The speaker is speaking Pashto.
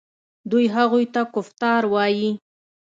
دوی هغوی ته کفتار وايي.